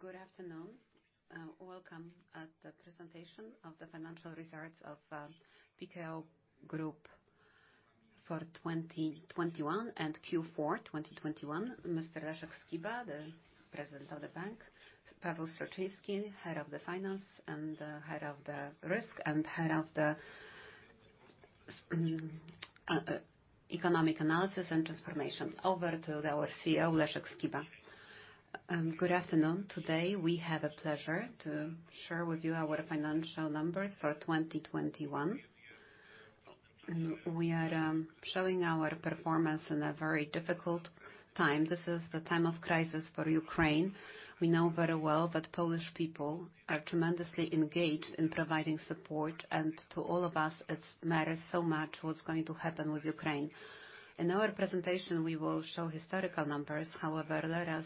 Good afternoon. Welcome to the presentation of the financial results of Pekao Group for 2021 and Q4 2021. Mr. Leszek Skiba, the President of the bank, Paweł Strączyński, head of the finance and head of the risk and head of economic analysis and transformation. Over to our CEO, Leszek Skiba. Good afternoon. Today, we have a pleasure to share with you our financial numbers for 2021. We are showing our performance in a very difficult time. This is the time of crisis for Ukraine. We know very well that Polish people are tremendously engaged in providing support, and to all of us, it matters so much what's going to happen with Ukraine. In our presentation, we will show historical numbers. However, let us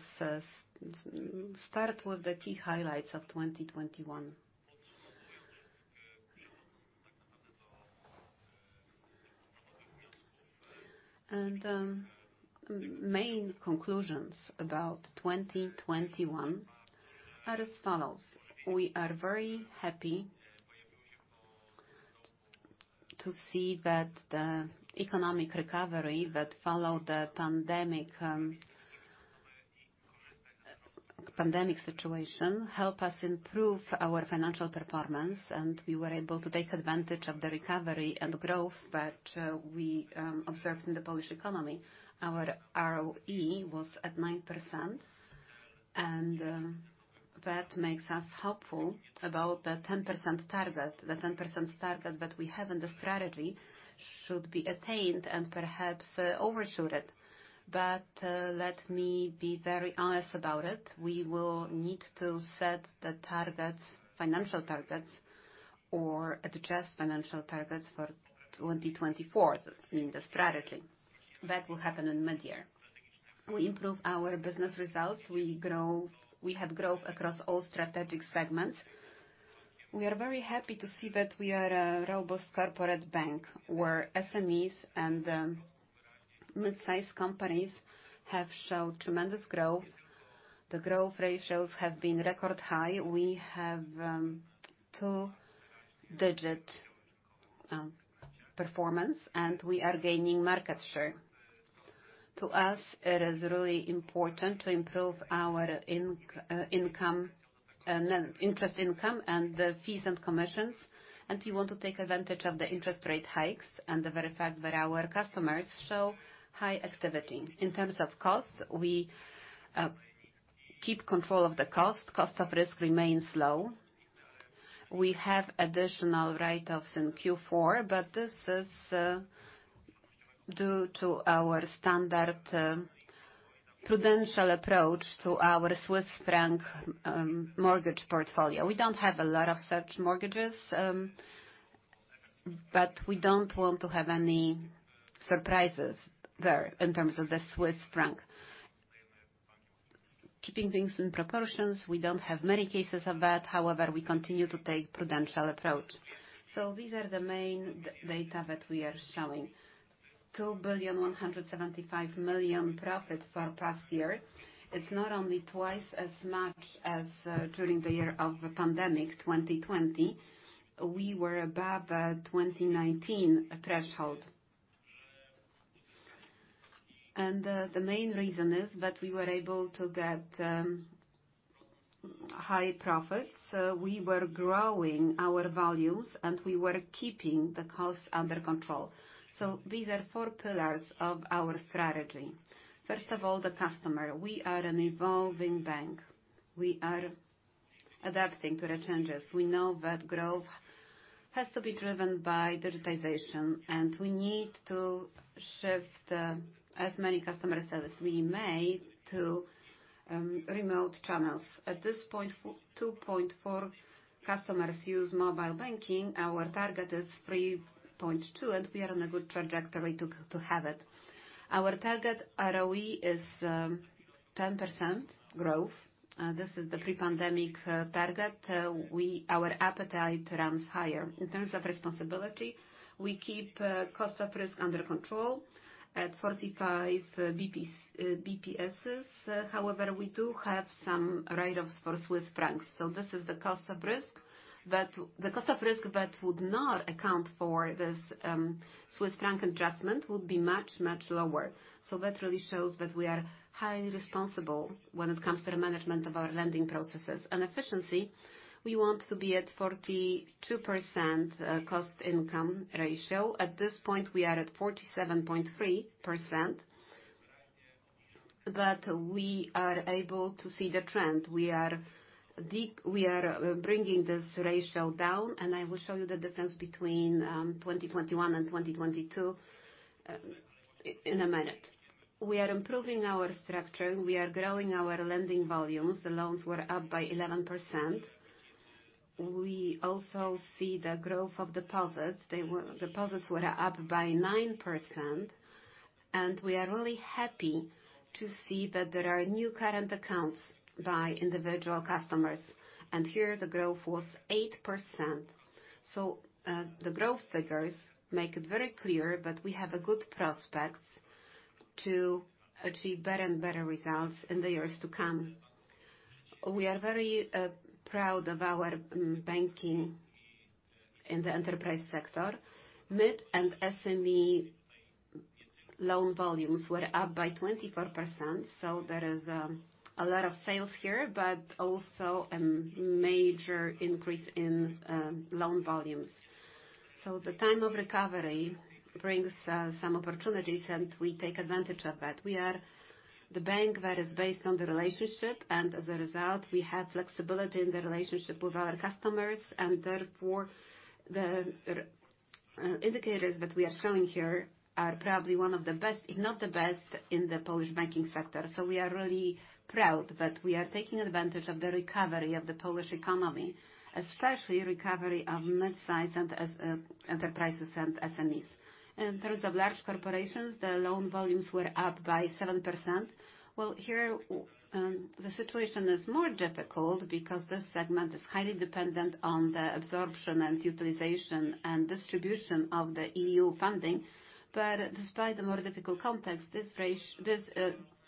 start with the key highlights of 2021. Main conclusions about 2021 are as follows. We are very happy to see that the economic recovery that followed the pandemic situation help us improve our financial performance, and we were able to take advantage of the recovery and growth that we observed in the Polish economy. Our ROE was at 9%, and that makes us hopeful about the 10% target. The 10% target that we have in the strategy should be attained and perhaps overshoot it. Let me be very honest about it. We will need to set the targets, financial targets or adjust financial targets for 2024 in the strategy. That will happen in mid-year. We improve our business results, we grow. We have growth across all strategic segments. We are very happy to see that we are a robust corporate bank, where SMEs and mid-size companies have shown tremendous growth. The growth ratios have been record high. We have two-digit performance, and we are gaining market share. To us, it is really important to improve our interest income and the fees and commissions. We want to take advantage of the interest rate hikes and the very fact that our customers show high activity. In terms of costs, we keep control of the cost. Cost of risk remains low. We have additional write-offs in Q4, but this is due to our standard prudential approach to our Swiss franc mortgage portfolio. We don't have a lot of such mortgages, but we don't want to have any surprises there in terms of the Swiss franc. Keeping things in proportions, we don't have many cases of that. However, we continue to take prudential approach. These are the main data that we are showing. 2.175 billion profit for past year. It's not only twice as much as during the year of the pandemic, 2020. We were above 2019 threshold. The main reason is that we were able to get high profits. We were growing our values, and we were keeping the costs under control. These are four pillars of our strategy. First of all, the customer. We are an evolving bank. We are adapting to the changes. We know that growth has to be driven by digitization, and we need to shift as many customers as we can to remote channels. At this point, 2.4 customers use mobile banking. Our target is 3.2, and we are on a good trajectory to have it. Our target ROE is 10% growth. This is the pre-pandemic target. Our appetite runs higher. In terms of responsibility, we keep cost of risk under control at 45 BPS. However, we do have some write-offs for Swiss francs. This is the cost of risk that would not account for this Swiss franc adjustment would be much, much lower. That really shows that we are highly responsible when it comes to the management of our lending processes. Efficiency, we want to be at 42% cost-to-income ratio. At this point, we are at 47.3%, but we are able to see the trend. We are bringing this ratio down, and I will show you the difference between 2021 and 2022 in a minute. We are improving our structure. We are growing our lending volumes. The loans were up by 11%. We also see the growth of deposits. Deposits were up by 9% and we are only happy to see that there are new current accounts by individual customers and here, the growth was 8%. The growth figures make it very clear that we have a good prospects to achieve better and better results in the years to come. We are very proud of our banking in the enterprise sector. Mid and SME loan volumes were up by 24%, so there is a lot of sales here, but also a major increase in loan volumes. The time of recovery brings some opportunities, and we take advantage of that. We are the bank that is based on the relationship, and as a result, we have flexibility in the relationship with our customers. Therefore, the indicators that we are showing here are probably one of the best, if not the best, in the Polish banking sector. We are really proud that we are taking advantage of the recovery of the Polish economy, especially recovery of midsize and enterprises and SMEs. In terms of large corporations, the loan volumes were up by 7%. Well, here the situation is more difficult because this segment is highly dependent on the absorption and utilization and distribution of the EU funding. Despite the more difficult context, this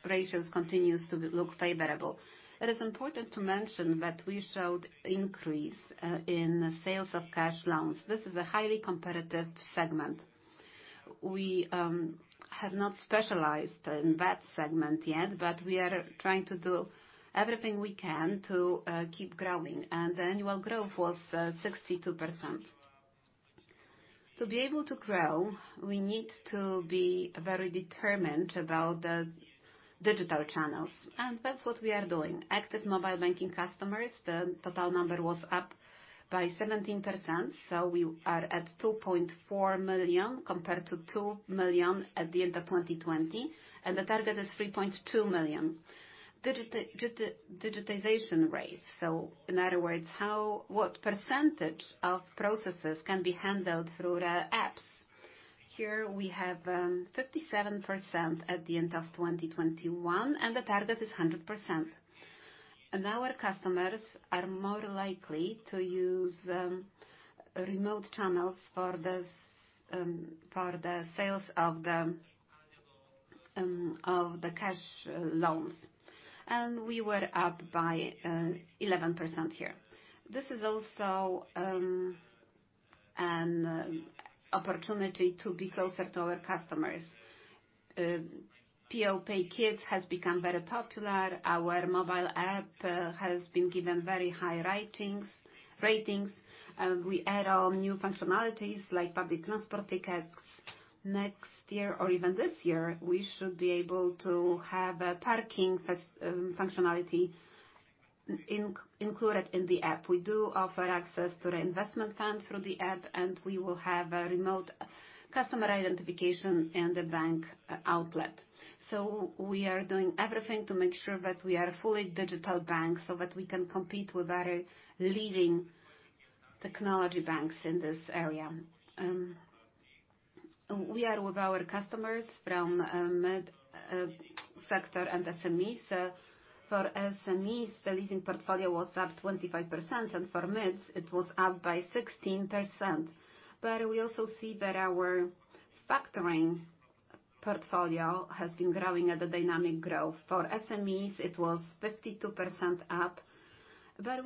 ratios continues to look favorable. It is important to mention that we showed increase in sales of cash loans. This is a highly competitive segment. We have not specialized in that segment yet, but we are trying to do everything we can to keep growing. The annual growth was 62%. To be able to grow, we need to be very determined about the digital channels, and that's what we are doing. Active mobile banking customers, the total number was up by 17%, so we are at 2.4 million compared to 2 million at the end of 2020, and the target is 3.2 million. Digitization rates, so in other words, what percentage of processes can be handled through the apps. Here we have 57% at the end of 2021, and the target is 100%. Our customers are more likely to use remote channels for this, for the sales of the cash loans. We were up by 11% here. This is also an opportunity to be closer to our customers. PeoPay KIDS has become very popular. Our mobile app has been given very high ratings. We add on new functionalities like public transport tickets. Next year or even this year, we should be able to have a parking functionality included in the app. We do offer access to the investment fund through the app, and we will have a remote customer identification in the bank outlet. We are doing everything to make sure that we are a fully digital bank, so that we can compete with other leading technology banks in this area. We are with our customers from mid sector and SMEs. For SMEs, the leasing portfolio was up 25%, and for mids it was up by 16%. We also see that our factoring portfolio has been growing at a dynamic growth. For SMEs it was 52% up.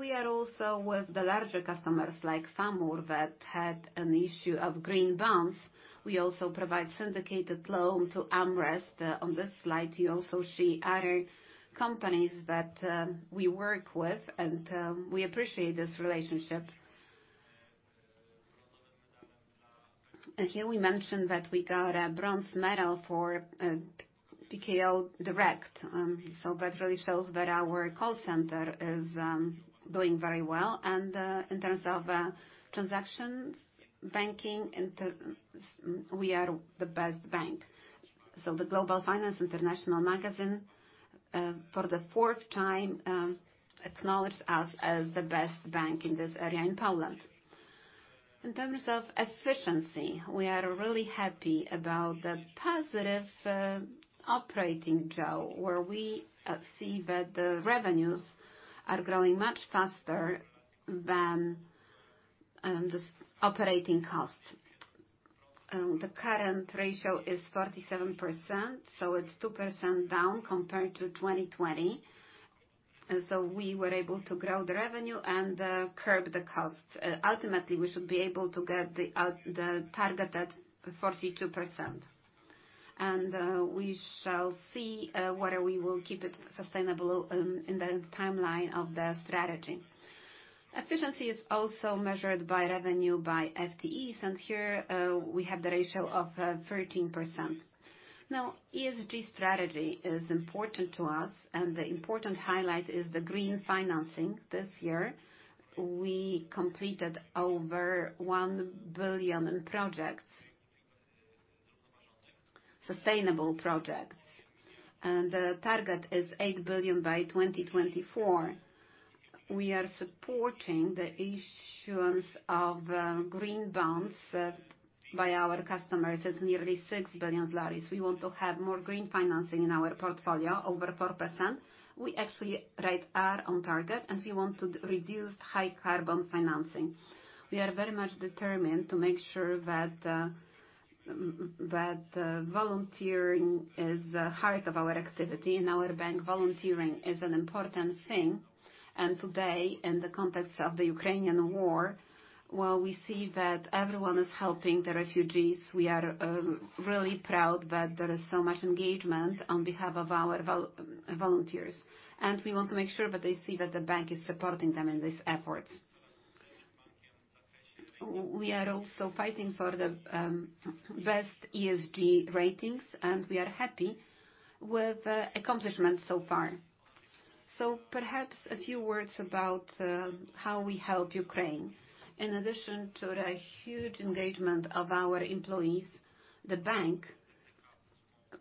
We are also with the larger customers, like Samur, that had an issue of green bonds. We also provide syndicated loan to AmRest. On this slide, you also see other companies that we work with, and we appreciate this relationship. Here we mentioned that we got a bronze medal for Pekao Direct. That really shows that our call center is doing very well. In terms of transactions banking we are the best bank. Global Finance magazine for the fourth time acknowledged us as the best bank in this area in Poland. In terms of efficiency, we are really happy about the positive operating job, where we see that the revenues are growing much faster than this operating costs. The current ratio is 47%, so it's 2% down compared to 2020. We were able to grow the revenue and curb the costs. Ultimately, we should be able to get the target at 42%. We shall see whether we will keep it sustainable in the timeline of the strategy. Efficiency is also measured by revenue by FTEs, and here we have the ratio of 13%. Now, ESG strategy is important to us, and the important highlight is the green financing. This year, we completed over 1 billion in sustainable projects. The target is 8 billion by 2024. We are supporting the issuance of green bonds by our customers, nearly 6 billion. We want to have more green financing in our portfolio, over 4%. We actually are right on target, and we want to reduce high carbon financing. We are very much determined to make sure that volunteering is the heart of our activity. In our bank, volunteering is an important thing. Today, in the context of the Ukrainian war, while we see that everyone is helping the refugees, we are really proud that there is so much engagement on behalf of our volunteers. We want to make sure that they see that the bank is supporting them in these efforts. We are also fighting for the best ESG ratings, and we are happy with the accomplishments so far. Perhaps a few words about how we help Ukraine. In addition to the huge engagement of our employees, the bank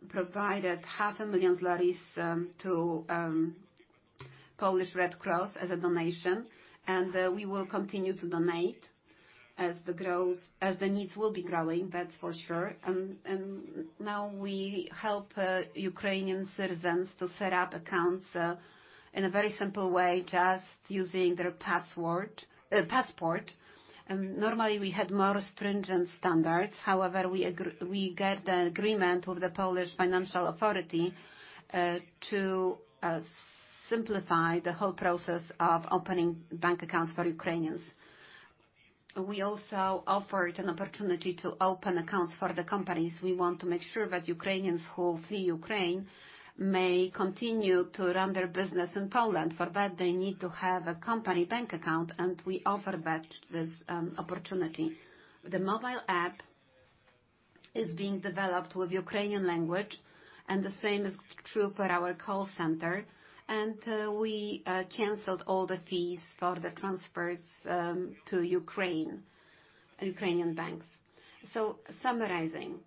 provided half a million zlotys to Polish Red Cross as a donation, and we will continue to donate as the needs will be growing, that's for sure. Now we help Ukrainian citizens to set up accounts in a very simple way, just using their passport. Normally we had more stringent standards, however, we get the agreement with the Polish Financial Supervision Authority to simplify the whole process of opening bank accounts for Ukrainians. We also offered an opportunity to open accounts for the companies. We want to make sure that Ukrainians who flee Ukraine may continue to run their business in Poland. For that, they need to have a company bank account and we offer that, this opportunity. The mobile app is being developed with Ukrainian language, and the same is true for our call center. We canceled all the fees for the transfers to Ukraine, Ukrainian banks. Summarizing.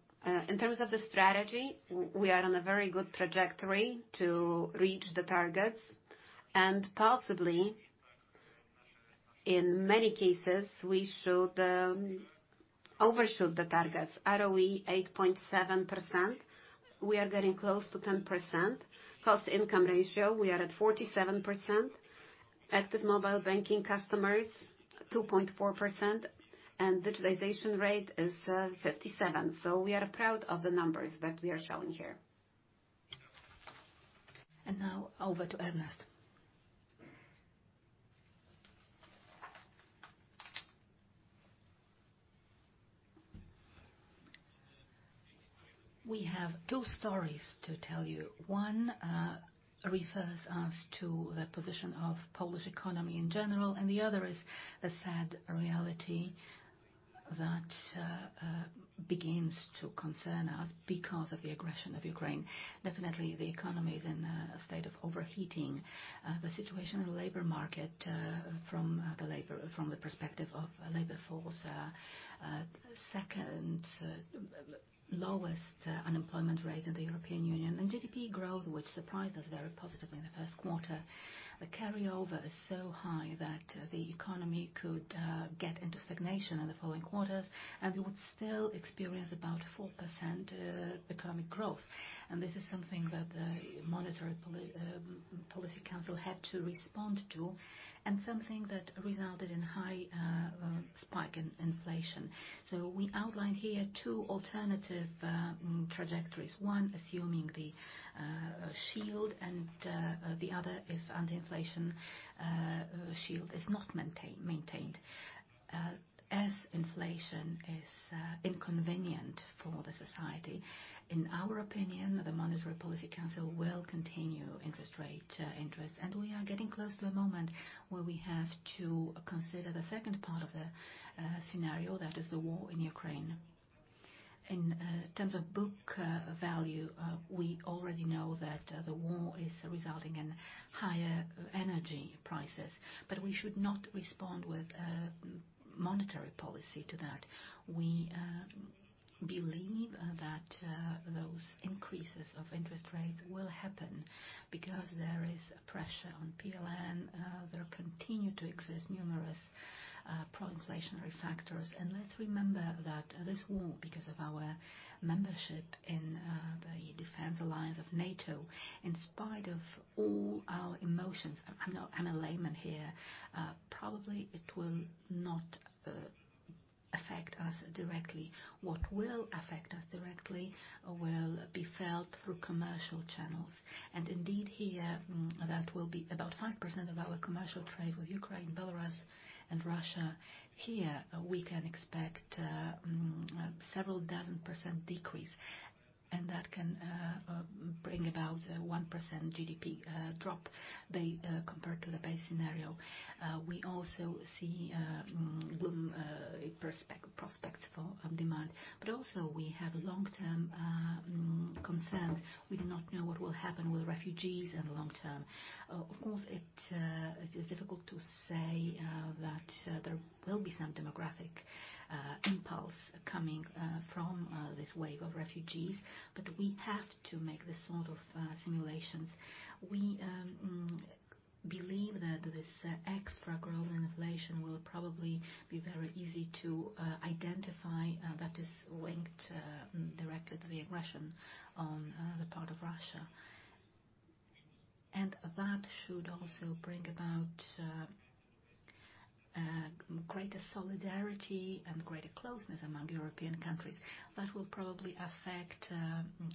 In terms of the strategy, we are on a very good trajectory to reach the targets and possibly in many cases we should overshoot the targets. ROE 8.7%, we are getting close to 10%. Cost-to-income ratio, we are at 47%. Active mobile banking customers, 2.4%. Digitalization rate is 57%. We are proud of the numbers that we are showing here. Now over to Ernest. We have two stories to tell you. One refers us to the position of Polish economy in general, and the other is the sad reality that begins to concern us because of the aggression against Ukraine. Definitely the economy is in a state of overheating. The situation in the labor market, from the perspective of labor force, second lowest unemployment rate in the European Union. GDP growth, which surprised us very positively in the first quarter. The carryover is so high that the economy could get into stagnation in the following quarters, and we would still experience about 4% economic growth. This is something that the Monetary Policy Council had to respond to and something that resulted in high spike in inflation. We outlined here two alternative trajectories. One assuming the shield and the other if anti-inflation shield is not maintained. As inflation is inconvenient for the society, in our opinion, the Monetary Policy Council will continue interest rate interest. We are getting close to a moment where we have to consider the second part of the scenario, that is the war in Ukraine. In terms of book value, we already know that the war is resulting in higher energy prices. But we should not respond with monetary policy to that. We believe that those increases of interest rates will happen because there is pressure on PLN, there continue to exist numerous pro-inflationary factors. Let's remember that this war, because of our membership in the defense alliance of NATO, in spite of all our emotions, I'm not. I'm a layman here, probably it will not affect us directly. What will affect us directly will be felt through commercial channels. Indeed here, that will be about 5% of our commercial trade with Ukraine, Belarus and Russia. Here we can expect several dozen percent decrease and that can bring about 1% GDP drop compared to the base scenario. We also see gloom prospects for demand. Also we have long-term concerns. We do not know what will happen with refugees in the long term. Of course it is difficult to say that there will be some demographic impulse coming from this wave of refugees, but we have to make this sort of simulations. We believe that this extra growth and inflation will probably be very easy to identify that is linked directly to the aggression on the part of Russia. That should also bring about greater solidarity and greater closeness among European countries that will probably affect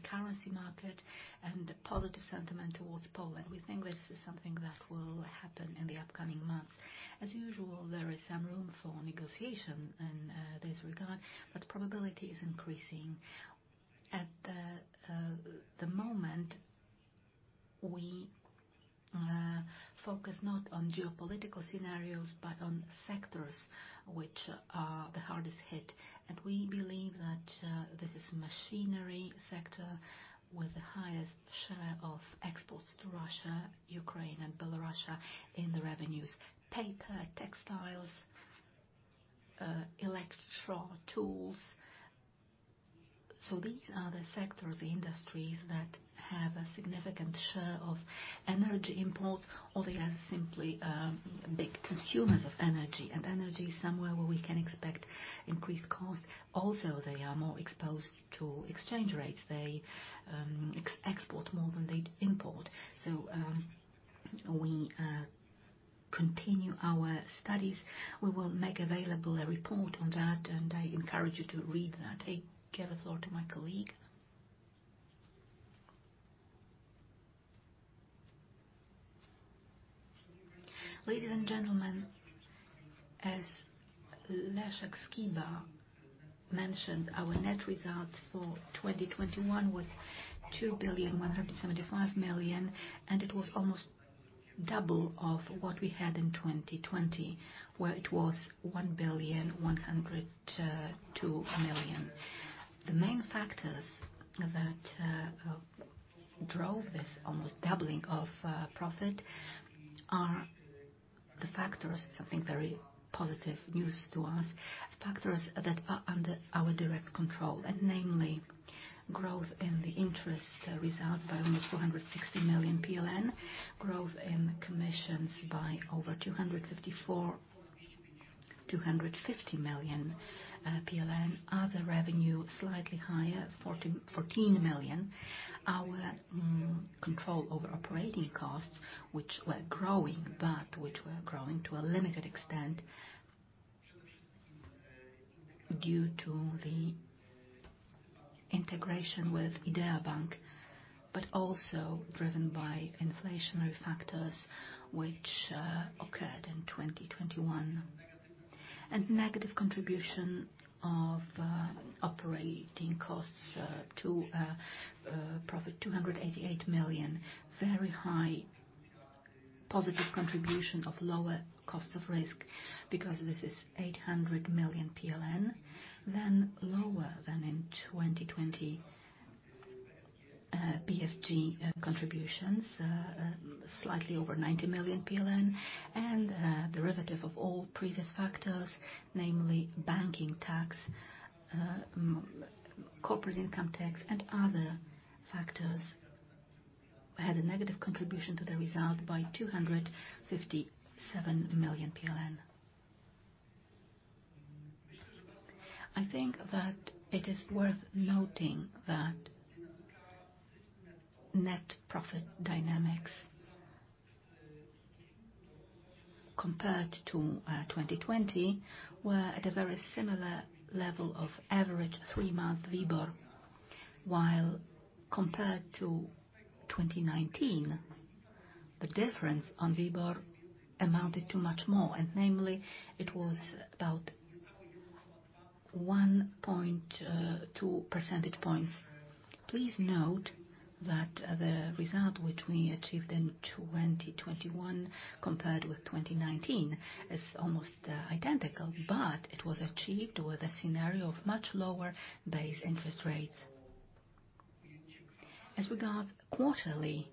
currency market and positive sentiment towards Poland. We think this is something that will happen in the upcoming months. As usual, there is some room for negotiation in this regard, but probability is increasing. At the moment we focus not on geopolitical scenarios, but on sectors which are the hardest hit. We believe that this is machinery sector with the highest share of exports to Russia, Ukraine and Belarus in the revenues. Paper, textiles, electrical tools. These are the sectors, the industries that have a significant share of energy imports or they are simply, big consumers of energy. Energy is somewhere where we can expect increased costs. Also, they are more exposed to exchange rates. They export more than they import. We continue our studies. We will make available a report on that, and I encourage you to read that. I give the floor to my colleague. Ladies and gentlemen, as Leszek Skiba mentioned, our net results for 2021 was 2.175 billion, and it was almost double of what we had in 2020, where it was 1.102 billion. The main factors that drove this almost doubling of profit are the factors, something very positive news to us, factors that are under our direct control, and namely, growth in the interest result by almost 460 million PLN, growth in commissions by over 250 million PLN. Other revenue, slightly higher, 44 million. Our control over operating costs, which were growing to a limited extent due to the integration with Idea Bank, but also driven by inflationary factors which occurred in 2021. Negative contribution of operating costs to profit 288 million. Very high positive contribution of lower cost of risk because this is 800 million PLN. Lower than in 2020, BFG contributions, slightly over 90 million PLN. Derivative of all previous factors, namely banking tax, corporate income tax and other factors, had a negative contribution to the result by 257 million PLN. I think that it is worth noting that net profit dynamics compared to 2020 were at a very similar level of average three-month WIBOR. While compared to 2019, the difference on WIBOR amounted to much more, and namely it was about 1.2 percentage points. Please note that the result which we achieved in 2021 compared with 2019 is almost identical, but it was achieved with a scenario of much lower base interest rates. As regards quarterly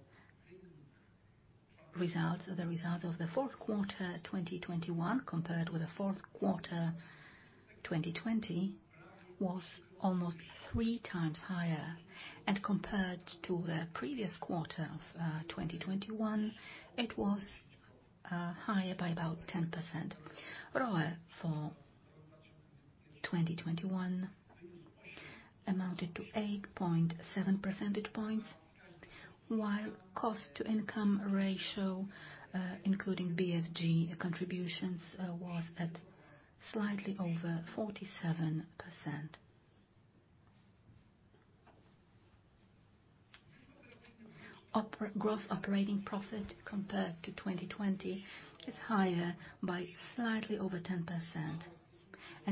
results, the results of the fourth quarter 2021 compared with the fourth quarter 2020 was almost 3x higher. Compared to the previous quarter of 2021, it was higher by about 10%. ROE for 2021 amounted to 8.7 percentage points, while cost-to-income ratio, including BFG contributions, was at slightly over 47%. Gross operating profit compared to 2020 is higher by slightly over 10%.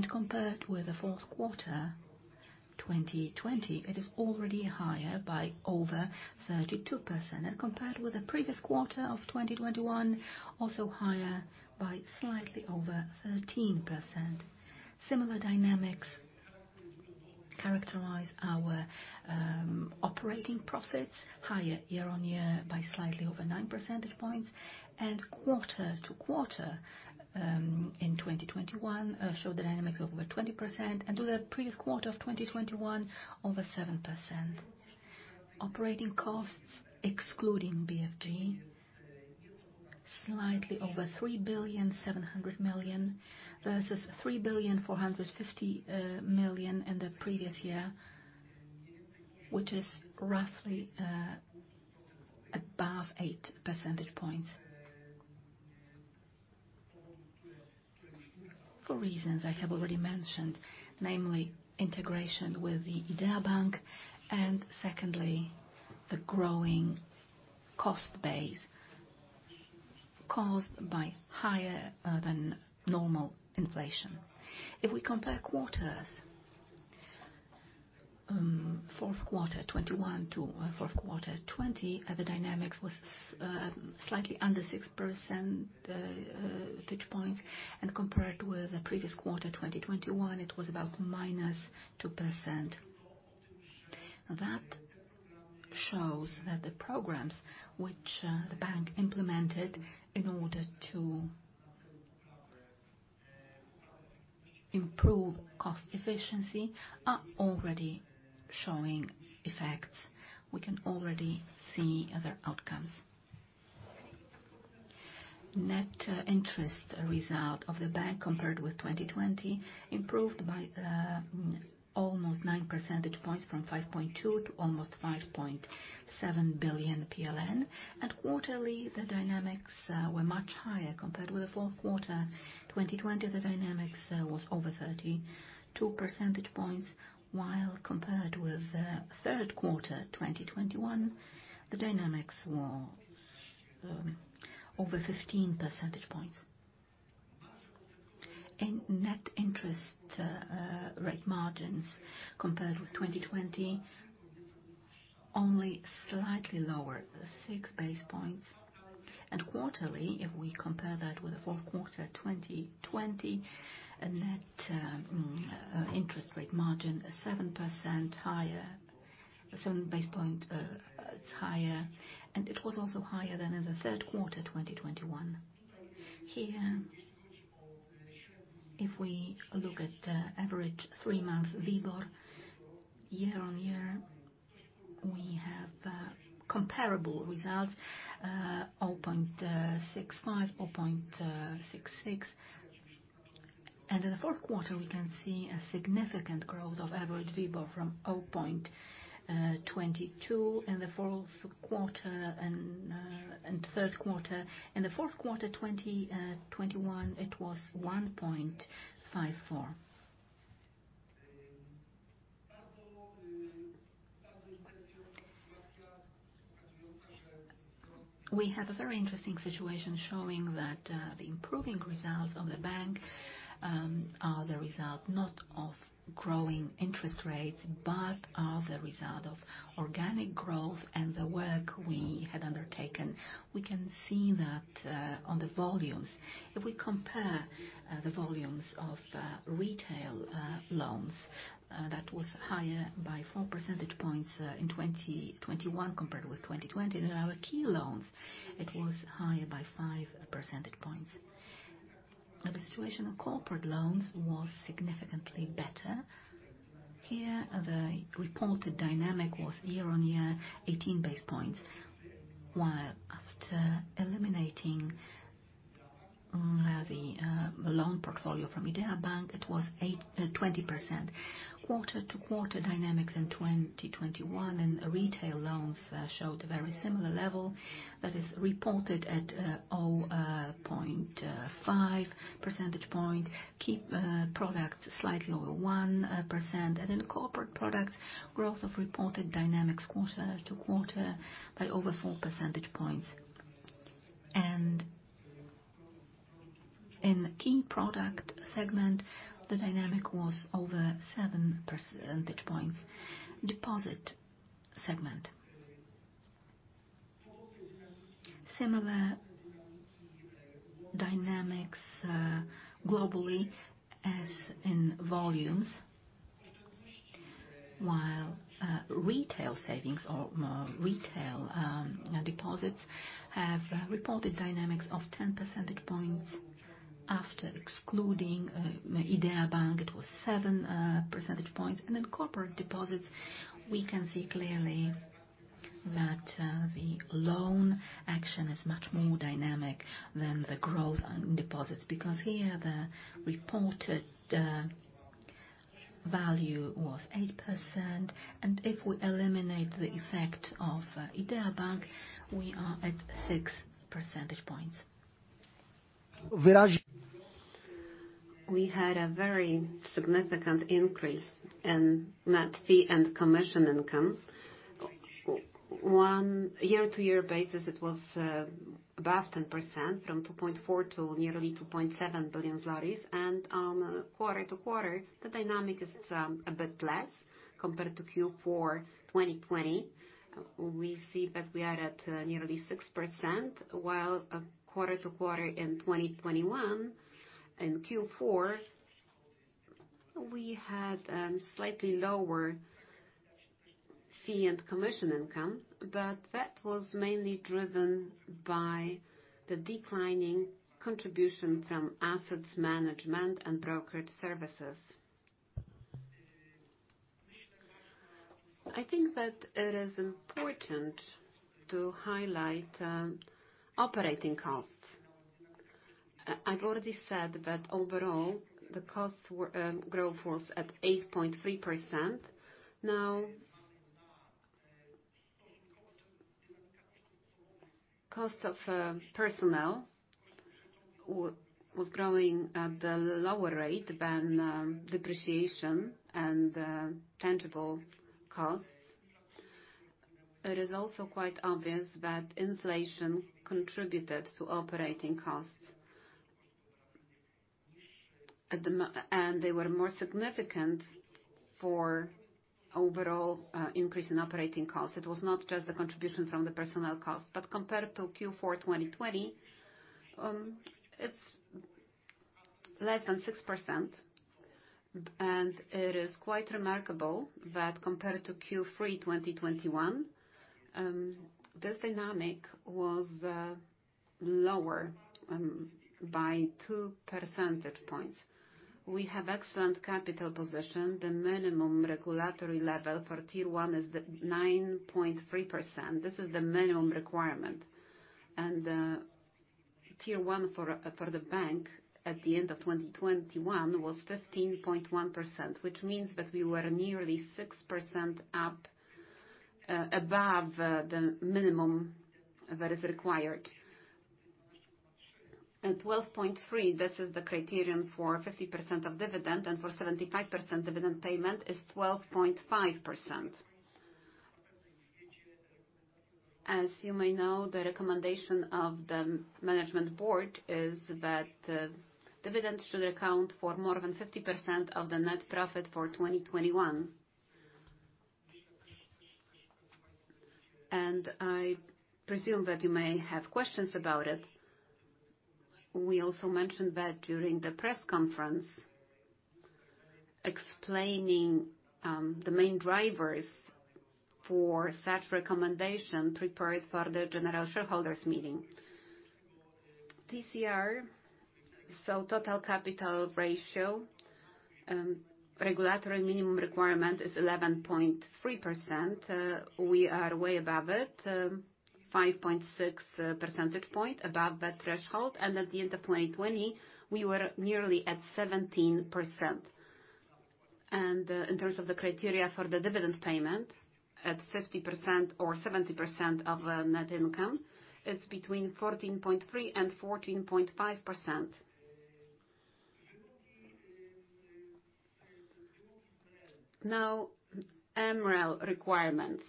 Compared with the fourth quarter 2020, it is already higher by over 32%. Compared with the previous quarter of 2021, also higher by slightly over 13%. Similar dynamics characterize our operating profits higher year-on-year by slightly over nine percentage points and quarter-to-quarter in 2021 showed the dynamics of over 20% and to the previous quarter of 2021 over 7%. Operating costs excluding BFG slightly over 3.7 billion versus 3.45 billion in the previous year, which is roughly above 8 percentage points. For reasons I have already mentioned, namely integration with the Idea Bank and secondly, the growing cost base caused by higher than normal inflation. If we compare quarters, fourth quarter 2021 to fourth quarter 2020, the dynamics was slightly under 6 percentage points and compared with the previous quarter, 2021, it was about -2%. That shows that the programs which the bank implemented in order to improve cost efficiency are already showing effects. We can already see their outcomes. Net interest result of the bank compared with 2020 improved by almost 9 percentage points from 5.2 billion to almost 5.7 billion PLN. Quarterly, the dynamics were much higher. Compared with the fourth quarter 2020, the dynamics was over 32 percentage points, while compared with the third quarter 2021, the dynamics were over 15 percentage points. In net interest rate margins compared with 2020, only slightly lower, 6 base points. Quarterly, if we compare that with the fourth quarter 2020, a net interest rate margin is 7% higher, 7 base points higher. It was also higher than in the third quarter 2021. Here, if we look at the average three month WIBOR, year-on-year, we have comparable results, 0.65, 0.66. In the fourth quarter, we can see a significant growth of average WIBOR from 0.22 in the third quarter. In the fourth quarter 2021, it was 1.54. We have a very interesting situation showing that the improving results of the bank are the result not of growing interest rates, but are the result of organic growth and the work we had undertaken. We can see that on the volumes. If we compare the volumes of retail loans, that was higher by 4 percentage points in 2021 compared with 2020. In our key loans, it was higher by 5 percentage points. Now the situation of corporate loans was significantly better. Here, the reported dynamic was year-on-year 18 basis points, while after eliminating the loan portfolio from Idea Bank, it was 20%. Quarter-to-quarter dynamics in 2021 in retail loans showed a very similar level that is reported at 0.5 percentage point. Key products slightly over 1%. In corporate products, growth of reported dynamics quarter-to-quarter by over 4 percentage points. In key product segment, the dynamic was over 7 percentage points. Deposit segment. Similar dynamics globally as in volumes. While retail savings or more retail deposits have reported dynamics of 10 percentage points. After excluding Idea Bank, it was 7 percentage points. In corporate deposits, we can see clearly that the loan action is much more dynamic than the growth on deposits because here the reported value was 8%. If we eliminate the effect of Idea Bank, we are at 6 percentage points. We had a very significant increase in net fee and commission income. On year-to-year basis, it was above 10% from 2.4 billion to nearly 2.7 billion zlotys. Quarter-to-quarter, the dynamic is a bit less compared to Q4 2020. We see that we are at nearly 6%, while quarter-to-quarter in 2021 in Q4 We had slightly lower fee and commission income, but that was mainly driven by the declining contribution from asset management and brokered services. I think that it is important to highlight operating costs. I've already said that overall growth was at 8.3%. Now, cost of personnel was growing at a lower rate than depreciation and tangible costs. It is also quite obvious that inflation contributed to operating costs. They were more significant for overall increase in operating costs. It was not just the contribution from the personnel costs. Compared to Q4 2020, it's less than 6%. It is quite remarkable that compared to Q3 2021, this dynamic was lower by two percentage points. We have excellent capital position. The minimum regulatory level for Tier 1 is 9.3%. This is the minimum requirement. Tier 1 for the bank at the end of 2021 was 15.1%, which means that we were nearly 6% above the minimum that is required. At 12.3%, this is the criterion for 50% of dividend, and for 75% dividend payment is 12.5%. As you may know, the recommendation of the management board is that dividends should account for more than 50% of the net profit for 2021. I presume that you may have questions about it. We also mentioned that during the press conference, explaining the main drivers for such recommendation prepared for the general shareholders meeting. TCR, so total capital ratio, regulatory minimum requirement is 11.3%. We are way above it, 5.6 percentage point above that threshold. At the end of 2020, we were nearly at 17%. In terms of the criteria for the dividend payment, at 50% or 70% of net income, it's between 14.3% and 14.5%. Now, MREL requirements.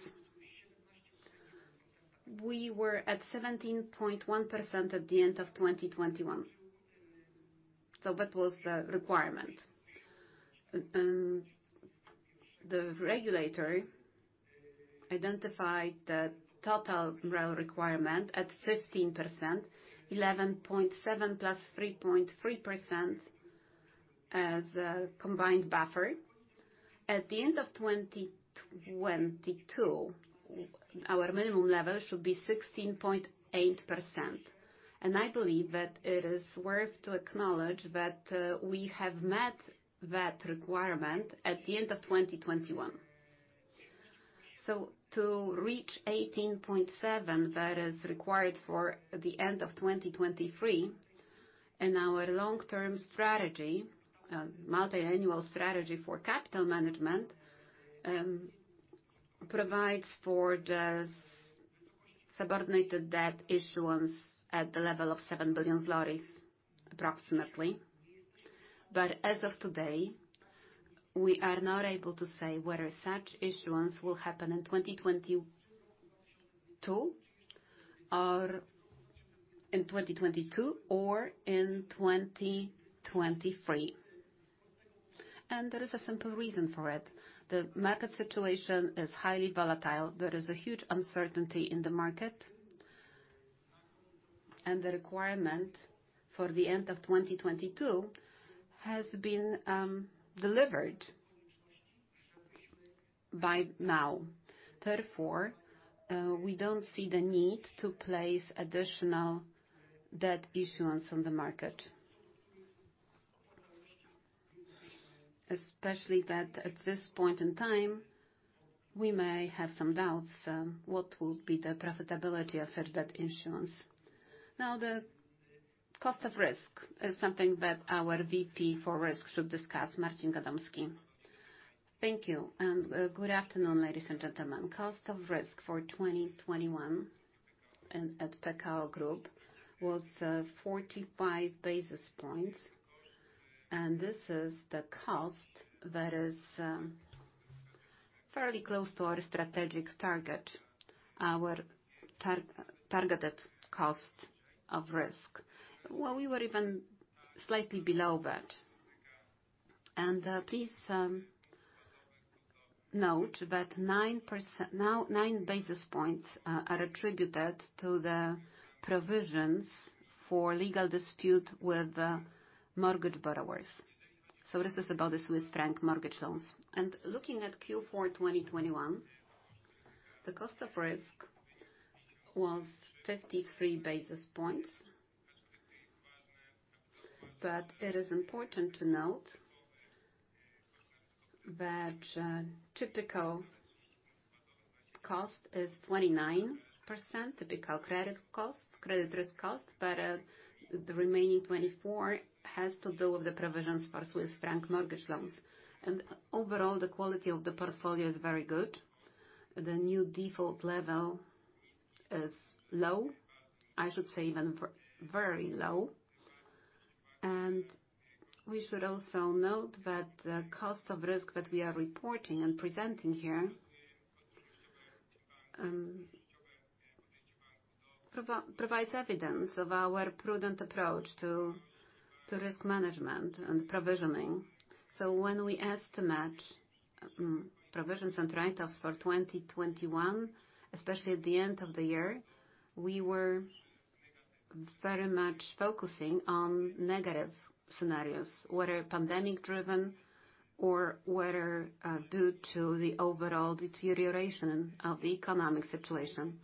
We were at 17.1% at the end of 2021. That was the requirement. The regulator identified the total MREL requirement at 15%, 11.7 + 3.3% as a combined buffer. At the end of 2022, our minimum level should be 16.8%. I believe that it is worth to acknowledge that we have met that requirement at the end of 2021. To reach 18.7% that is required for the end of 2023, in our long-term strategy, multi-annual strategy for capital management, provides for the subordinated debt issuance at the level of 7 billion zlotys, approximately. As of today, we are not able to say whether such issuance will happen in 2022 or in 2023. There is a simple reason for it. The market situation is highly volatile. There is a huge uncertainty in the market. The requirement for the end of 2022 has been delivered by now. Therefore, we don't see the need to place additional debt issuance on the market. Especially that at this point in time, we may have some doubts what will be the profitability of such debt issuance. Now, the cost of risk is something that our VP for risk should discuss, Marcin Gadomski. Thank you. Good afternoon, ladies and gentlemen. Cost of risk for 2021 at Pekao Group was 45 basis points, and this is the cost that is fairly close to our strategic target, our targeted cost of risk. Well, we were even slightly below that. Please note that 9%, now 9 basis points, are attributed to the provisions for legal dispute with the mortgage borrowers. This is about the Swiss franc mortgage loans. Looking at Q4 2021, the cost of risk was 53 basis points. It is important to note that typical cost is 29%, typical credit risk cost, but the remaining 24 has to do with the provisions for Swiss franc mortgage loans. Overall, the quality of the portfolio is very good. The new default level is low, I should say even very low. We should also note that the cost of risk that we are reporting and presenting here provides evidence of our prudent approach to risk management and provisioning. When we estimate provisions and write-offs for 2021, especially at the end of the year, we were very much focusing on negative scenarios, whether pandemic driven or whether due to the overall deterioration of the economic situation.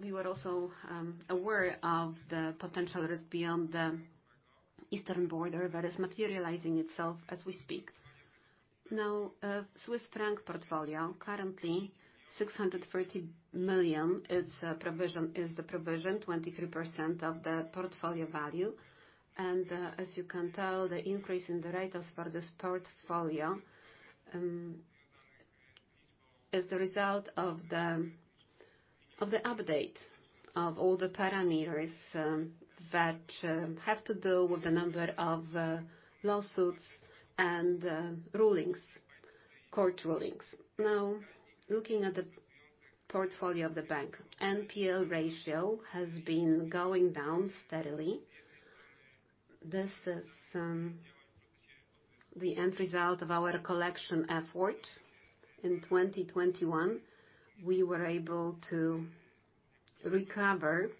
We were also aware of the potential risk beyond the eastern border that is materializing itself as we speak. Now, Swiss franc portfolio, currently 630 million, its provision is 23% of the portfolio value. As you can tell, the increase in the write-offs for this portfolio is the result of the update of all the parameters that have to do with the number of lawsuits and rulings, court rulings. Now, looking at the portfolio of the bank, NPL ratio has been going down steadily. This is the end result of our collection effort. In 2021, we were able to recover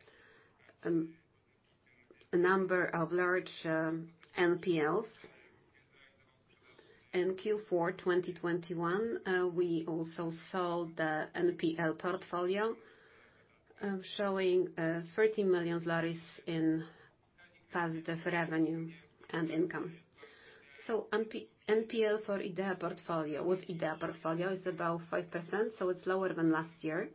a number of large NPLs. In Q4 2021, we also sold the NPL portfolio, showing 30 million in positive revenue and income. NPL for Idea portfolio is about 5%, so it's lower than last year.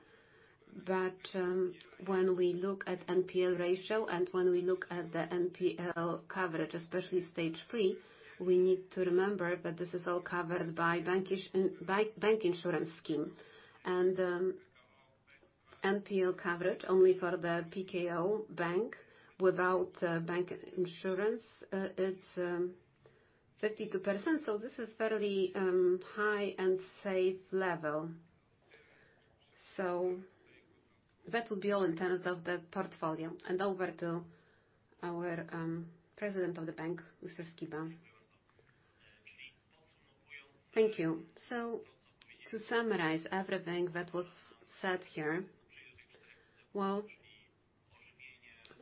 When we look at NPL ratio and when we look at the NPL coverage, especially stage three, we need to remember that this is all covered by bank insurance scheme. NPL coverage only for the Pekao bank without bank insurance, it's 52%, so this is fairly high and safe level. That will be all in terms of the portfolio. Over to our President of the bank, Mr. Skiba. Thank you. To summarize everything that was said here, well,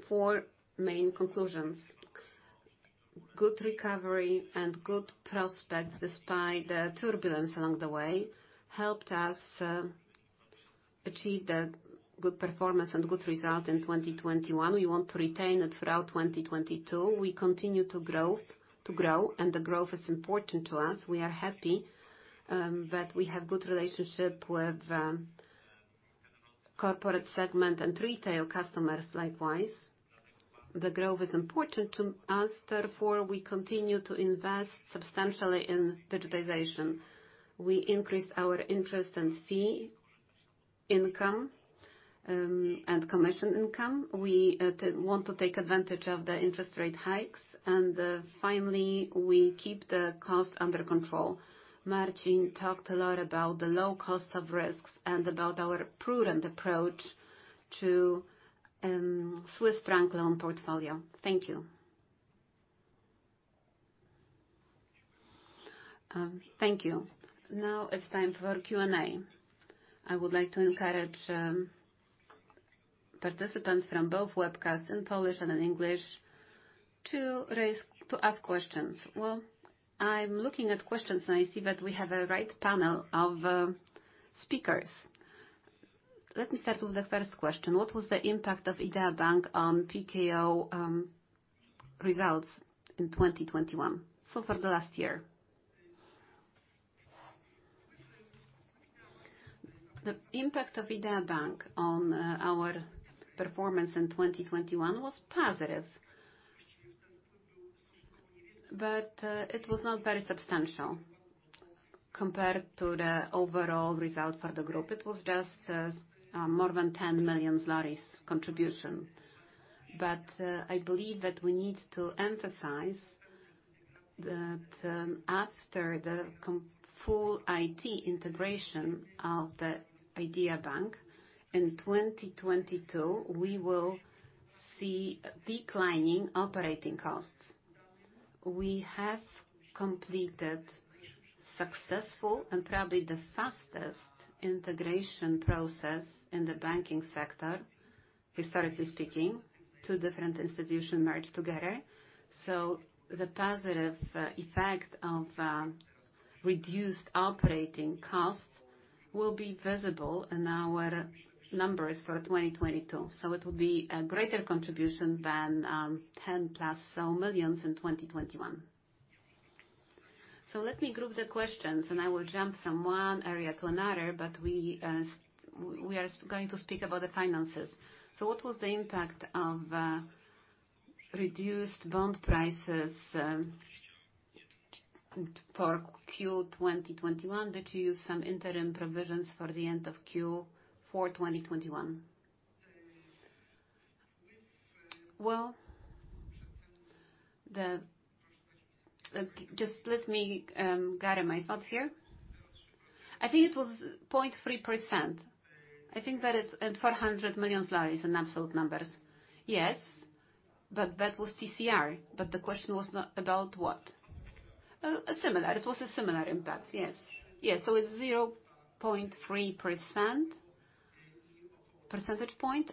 four main conclusions. Good recovery and good prospects despite the turbulence along the way helped us achieve the good performance and good result in 2021. We want to retain it throughout 2022. We continue to grow, and the growth is important to us. We are happy that we have good relationship with corporate segment and retail customers likewise. The growth is important to us, therefore we continue to invest substantially in digitization. We increased our interest and fee income and commission income. We want to take advantage of the interest rate hikes. Finally, we keep the cost under control. Marcin talked a lot about the low cost of risk and about our prudent approach to Swiss franc loan portfolio. Thank you. Now it's time for Q&A. I would like to encourage participants from both webcasts in Polish and in English to raise, to ask questions. Well, I'm looking at questions, and I see that we have a right panel of speakers. Let me start with the first question. What was the impact of Idea Bank on Pekao results in 2021, so for the last year? The impact of Idea Bank on our performance in 2021 was positive. It was not very substantial compared to the overall result for the group. It was just more than 10 million contribution. I believe that we need to emphasize that, after the full IT integration of the Idea Bank in 2022, we will see declining operating costs. We have completed successful and probably the fastest integration process in the banking sector, historically speaking, two different institutions merged together. The positive effect of reduced operating costs will be visible in our numbers for 2022. It will be a greater contribution than 10+ million in 2021. Let me group the questions, and I will jump from one area to another, but we are going to speak about the finances. What was the impact of reduced bond prices for Q 2021? Did you use some interim provisions for the end of Q 2021? Just let me gather my thoughts here. I think it was 0.3%. I think that it's at PLN 400 million in absolute numbers. Yes. That was TCR. The question was not about what? Similar. It was a similar impact, yes. Yes. It's 0.3 percentage point,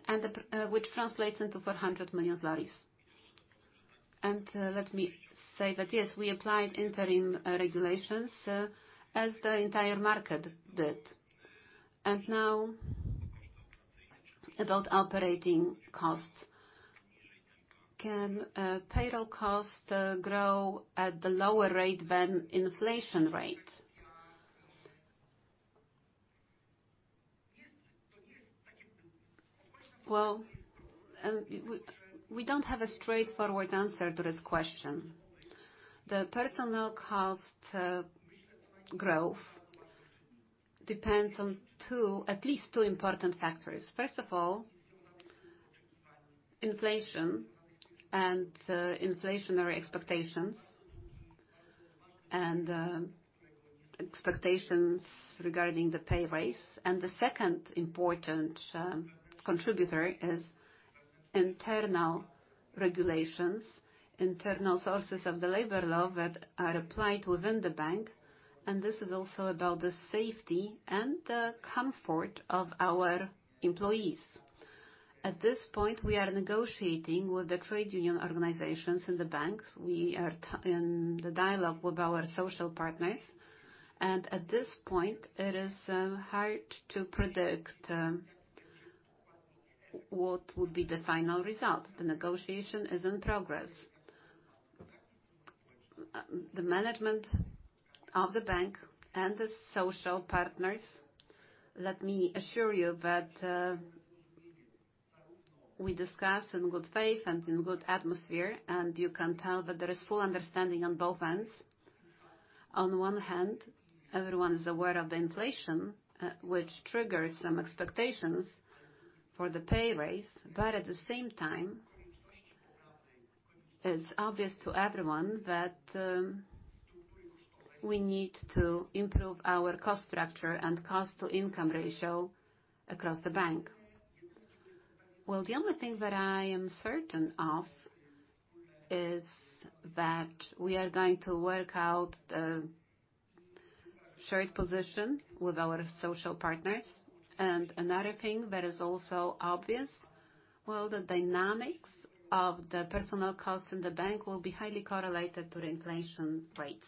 which translates into 400 million. Let me say that, yes, we applied interim regulations as the entire market did. Now about operating costs. Can payroll costs grow at the lower rate than inflation rate? Well, we don't have a straightforward answer to this question. The personnel cost growth depends on two, at least two important factors. First of all, inflation and inflationary expectations and expectations regarding the pay raise. The second important contributor is internal regulations, internal sources of the labor law that are applied within the bank, and this is also about the safety and the comfort of our employees. At this point, we are negotiating with the trade union organizations in the bank. We are in the dialogue with our social partners. At this point, it is hard to predict what would be the final result. The negotiation is in progress. The management of the bank and the social partners, let me assure you that we discuss in good faith and in good atmosphere, and you can tell that there is full understanding on both ends. On one hand, everyone is aware of the inflation, which triggers some expectations for the pay raise. At the same time, it's obvious to everyone that we need to improve our cost structure and cost-to-income ratio across the bank. Well, the only thing that I am certain of is that we are going to work out the shared position with our social partners. Another thing that is also obvious, well, the dynamics of the personnel costs in the bank will be highly correlated to the inflation rates.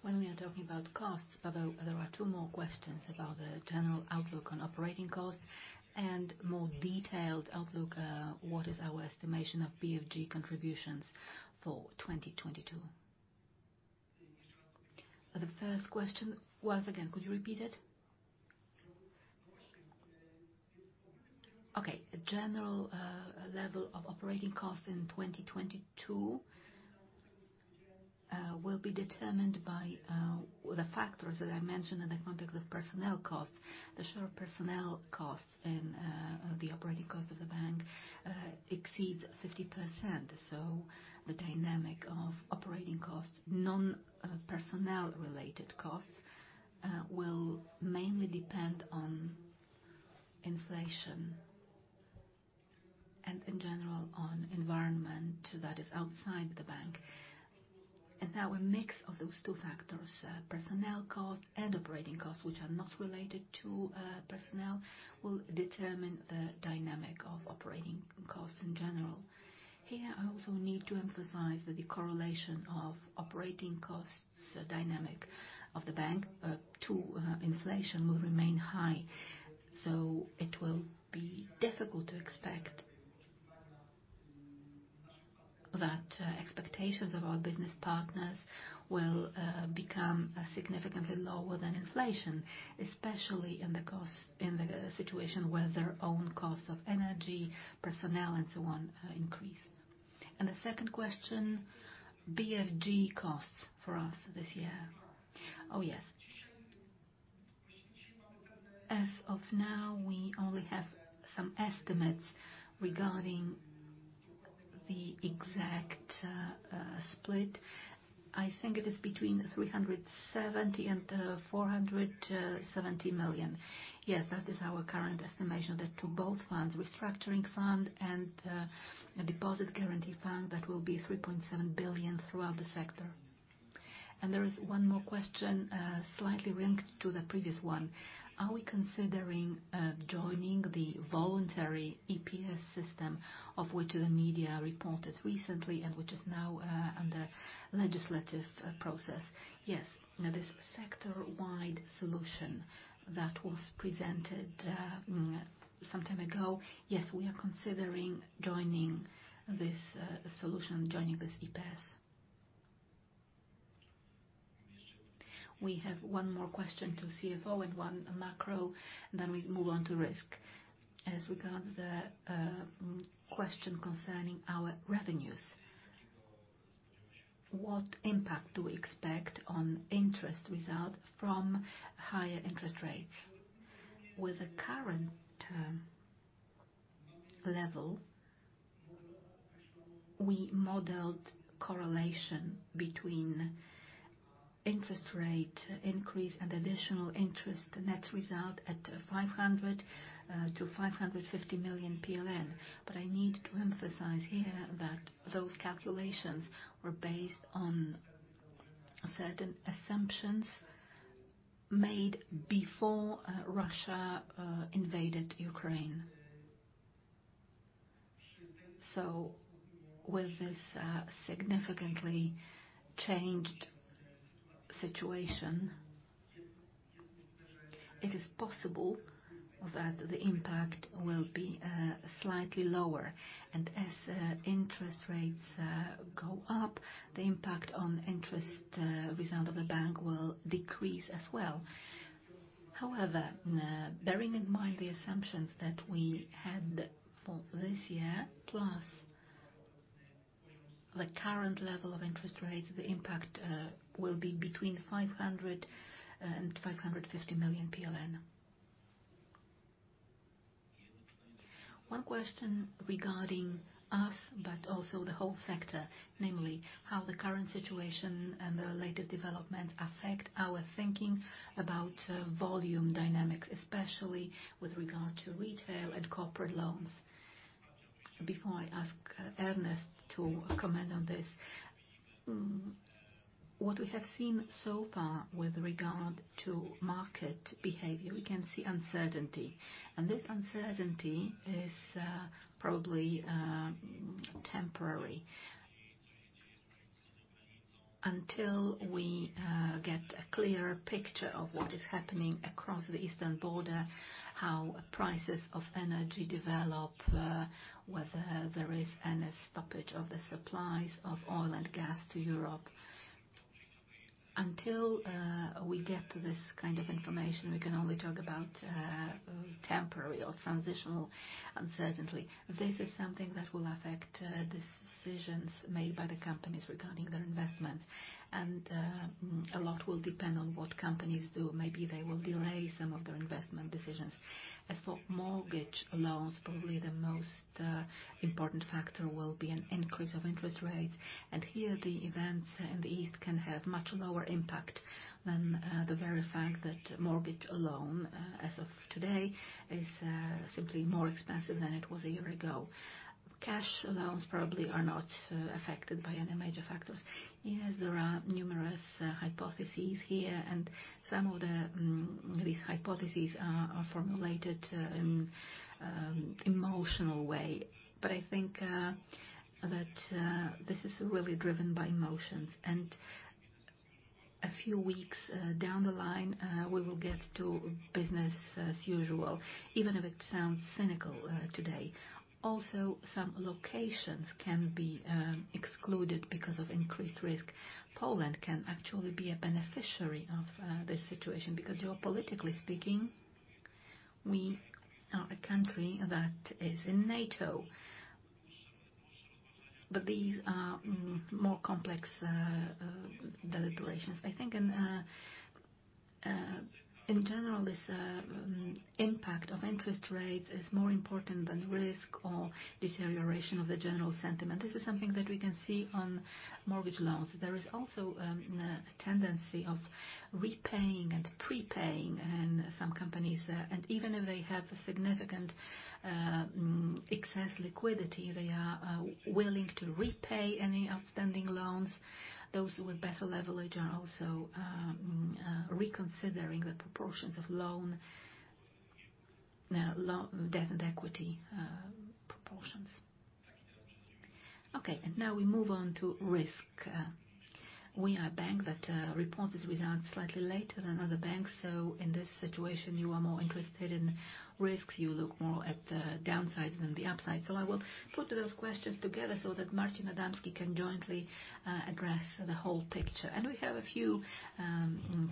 When we are talking about costs, Pavel, there are two more questions about the general outlook on operating costs and more detailed outlook. What is our estimation of BFG contributions for 2022. The first question was, again, could you repeat it? Okay. The general level of operating costs in 2022 will be determined by the factors that I mentioned in the context of personnel costs. The share of personnel costs in the operating cost of the bank exceeds 50%. The dynamic of operating costs, non personnel-related costs, will mainly depend on inflation and in general on environment that is outside the bank. Now a mix of those two factors, personnel costs and operating costs, which are not related to personnel, will determine the dynamic of operating costs in general. Here, I also need to emphasize that the correlation of operating costs dynamic of the bank to inflation will remain high. It will be difficult to expect that expectations of our business partners will become significantly lower than inflation, especially in the situation where their own costs of energy, personnel, and so on, increase. The second question, BFG costs for us this year. Oh, yes. As of now, we only have some estimates regarding The exact split, I think it is between 370 million and 470 million. Yes, that is our current estimation that to both funds, restructuring fund and deposit guarantee fund, that will be 3.7 billion throughout the sector. There is one more question, slightly linked to the previous one. Are we considering joining the voluntary IPS system of which the media reported recently and which is now under legislative process? Yes. Now, this sector-wide solution that was presented some time ago, yes, we are considering joining this solution, joining this IPS. We have one more question to CFO and one macro, and then we move on to risk. As regards the question concerning our revenues, what impact do we expect on interest result from higher interest rates? With the current term level, we modeled correlation between interest rate increase and additional interest net result at 500 million-550 million PLN. I need to emphasize here that those calculations were based on certain assumptions made before Russia invaded Ukraine. With this significantly changed situation, it is possible that the impact will be slightly lower. As interest rates go up, the impact on interest result of the bank will decrease as well. However, bearing in mind the assumptions that we had for this year, plus the current level of interest rates, the impact will be between 500 million and 550 million PLN. One question regarding us but also the whole sector, namely how the current situation and the latest development affect our thinking about volume dynamics, especially with regard to retail and corporate loans. Before I ask Ernest to comment on this, what we have seen so far with regard to market behavior, we can see uncertainty, and this uncertainty is probably temporary. Until we get a clearer picture of what is happening across the eastern border, how prices of energy develop, whether there is any stoppage of the supplies of oil and gas to Europe. Until we get this kind of information, we can only talk about temporary or transitional uncertainty. This is something that will affect decisions made by the companies regarding their investments. A lot will depend on what companies do. Maybe they will delay some of their investment decisions. As for mortgage loans, probably the most important factor will be an increase of interest rates. Here, the events in the east can have much lower impact than the very fact that mortgage loan as of today is simply more expensive than it was a year ago. Cash loans probably are not affected by any major factors. Yes, there are numerous hypotheses here, and some of these hypotheses are formulated emotional way. I think that this is really driven by emotions. A few weeks down the line we will get to business as usual, even if it sounds cynical today. Also, some locations can be excluded because of increased risk. Poland can actually be a beneficiary of this situation because geopolitically speaking, we are a country that is in NATO. These are more complex deliberations. I think in general this impact of interest rates is more important than risk or deterioration of the general sentiment. This is something that we can see on mortgage loans. There is also a tendency of repaying and prepaying in some companies. Even if they have a significant excess liquidity, they are willing to repay any outstanding loans. Those with better leverage are also reconsidering the proportions of debt and equity proportions. Okay. Now we move on to risk. We are a bank that reports its results slightly later than other banks. In this situation, you are more interested in risk. You look more at the downside than the upside. I will put those questions together so that Marcin Gadomski can jointly address the whole picture. We have a few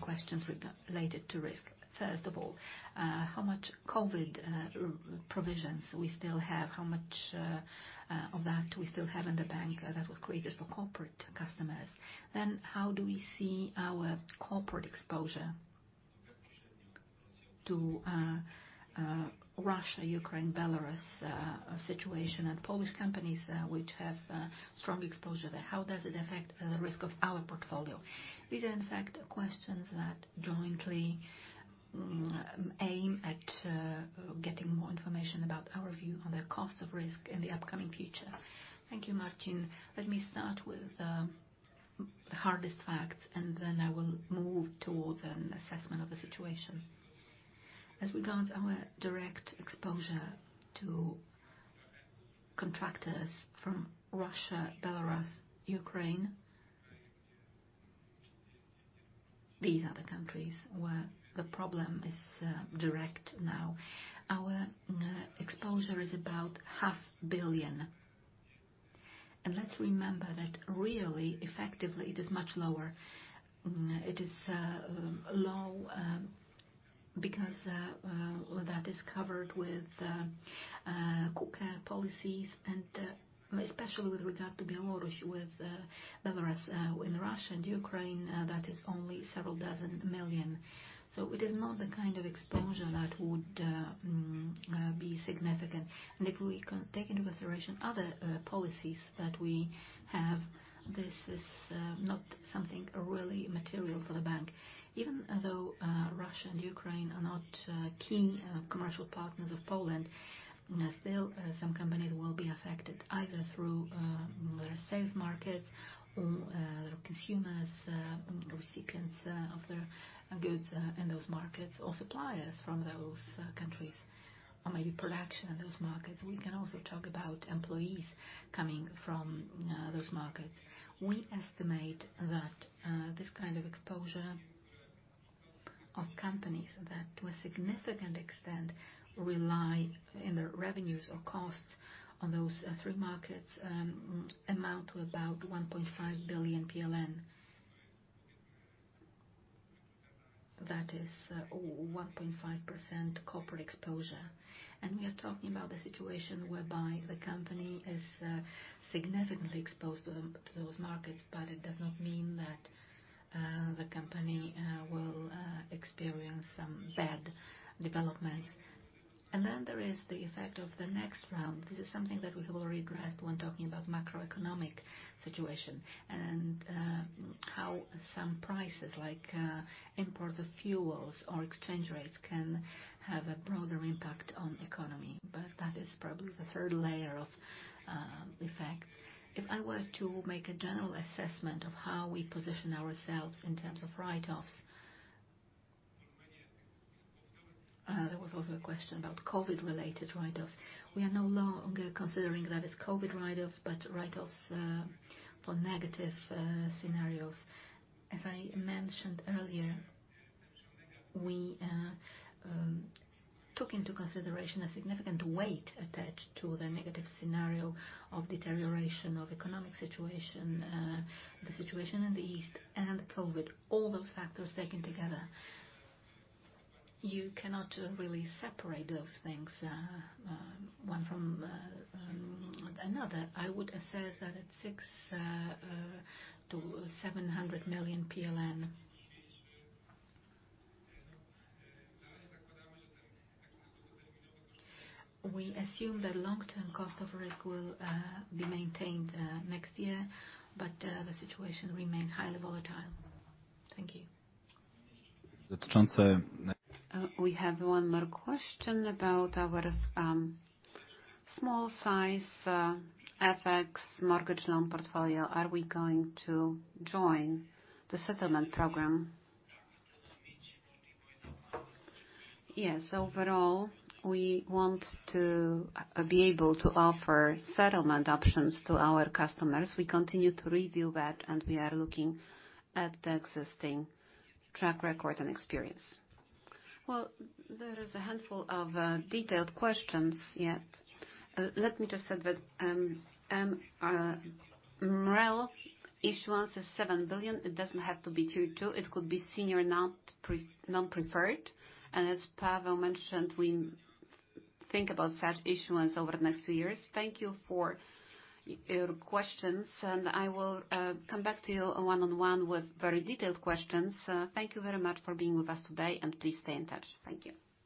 questions related to risk. First of all, how much COVID provisions we still have? How much of that we still have in the bank that was created for corporate customers? How do we see our corporate exposure? To the Russia, Ukraine, Belarus situation and Polish companies which have strong exposure there. How does it affect the risk of our portfolio? These are in fact questions that jointly aim at getting more information about our view on the cost of risk in the upcoming future. Thank you, Marcin. Let me start with the hardest fact, and then I will move towards an assessment of the situation. As regards our direct exposure to contractors from Russia, Belarus, Ukraine, these are the countries where the problem is direct now. Our exposure is about PLN 500, 000, 000. Let's remember that really effectively it is much lower. It is low because that is covered with KUKE policies and especially with regard to Belarus in Russia and Ukraine that is only several dozen million PLN. It is not the kind of exposure that would be significant. If we take into consideration other policies that we have, this is not something really material for the bank. Even though Russia and Ukraine are not key commercial partners of Poland, you know, still some companies will be affected either through their sales markets or their consumers, recipients of their goods in those markets, or suppliers from those countries, or maybe production in those markets. We can also talk about employees coming from those markets. We estimate that this kind of exposure of companies that to a significant extent rely in their revenues or costs on those three markets amount to about PLN 1.5 billion. That is 1.5% corporate exposure. We are talking about the situation whereby the company is significantly exposed to those markets, but it does not mean that the company will experience some bad developments. There is the effect of the next round. This is something that we will regret when talking about macroeconomic situation and how some prices like imports of fuels or exchange rates can have a broader impact on economy. That is probably the third layer of effect. If I were to make a general assessment of how we position ourselves in terms of write-offs. There was also a question about COVID-related write-offs. We are no longer considering that as COVID write-offs, but write-offs for negative scenarios. As I mentioned earlier, we took into consideration a significant weight attached to the negative scenario of deterioration of economic situation, the situation in the east and COVID. All those factors taken together, you cannot really separate those things one from another. I would assess that at 600 million-700 million PLN. We assume that long-term cost of risk will be maintained next year, but the situation remains highly volatile. Thank you. We have one more question about our small size FX mortgage loan portfolio. Are we going to join the settlement program? Yes. Overall, we want to be able to offer settlement options to our customers. We continue to review that, and we are looking at the existing track record and experience. Well, there is a handful of detailed questions. Yet, let me just add that MREL issuance is 7 billion. It doesn't have to be tier two, it could be senior non-preferred. As Pavel mentioned, we think about such issuance over the next few years. Thank you for your questions, and I will come back to you one-on-one with very detailed questions. Thank you very much for being with us today, and please stay in touch. Thank you.